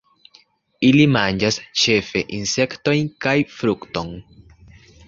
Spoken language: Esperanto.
Ili manĝas ĉefe insektojn kaj frukton.